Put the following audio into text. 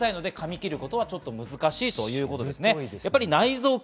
とても小さいので、かみ切ることはちょっと難しいということです。